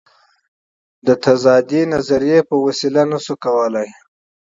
له پاراډوکسي تیوریو په وسیله نه شو کولای.